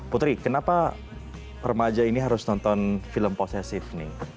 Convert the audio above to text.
putri kenapa remaja ini harus nonton film posesif nih